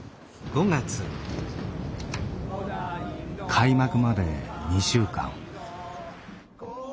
開幕まで２週間。